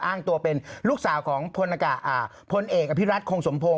อ้างตัวเป็นลูกสาวของพลเอกอภิรัตคงสมพงศ